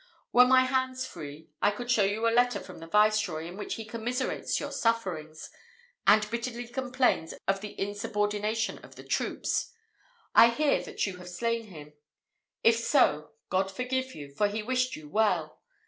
Were my hands free, I could show you a letter from the viceroy, in which he commiserates your sufferings, and bitterly complains of the insubordination of the troops. I hear that you have slain him. If so, God forgive you, for he wished you well!